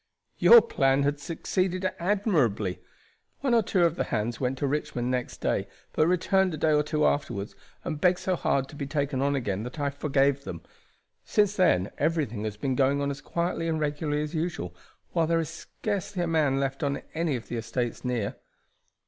"Your plan has succeeded admirably. One or two of the hands went to Richmond next day, but returned a day or two afterward and begged so hard to be taken on again that I forgave them. Since then everything has been going on as quietly and regularly as usual, while there is scarcely a man left on any of the estates near."